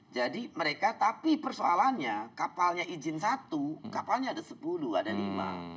jadi mereka tapi persoalannya kapalnya izin satu kapalnya ada sepuluh ada lima